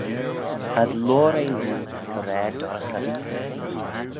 As loayr eh roo coraa-dorraghey.